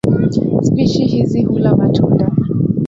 Spishi hizi hula matunda.